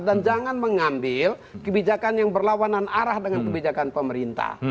dan jangan mengambil kebijakan yang berlawanan arah dengan kebijakan pemerintah